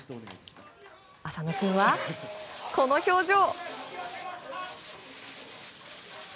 浅野君は、この表情。